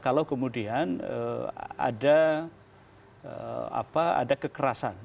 kalau kemudian ada kekerasan